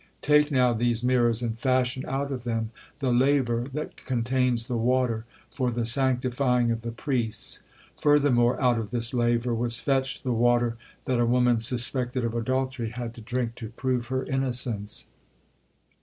Take now these mirrors and fashion out of them the laver that contains the water for the sanctifying of the priests." Furthermore out of this laver was fetched the water that a woman suspected of adultery had to drink to prove her innocence.